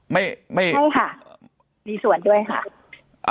ใช่ค่ะมีส่วนด้วยค่ะ